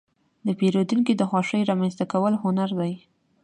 د پیرودونکو د خوښې رامنځته کول هنر دی.